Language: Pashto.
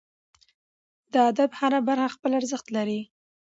د ادب هره برخه خپل ارزښت لري.